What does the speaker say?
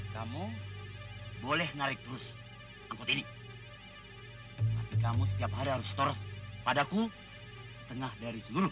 kamu boleh narik terus angkut ini tapi kamu setiap hari harus store padaku setengah dari seluruh